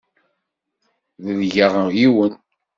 Delgeɣ yiwen.